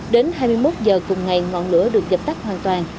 đến hai mươi một h cùng ngày ngọn lửa được dập tắt hoàn toàn